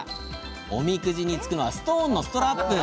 おみくじにつくのはストーンのストラップ。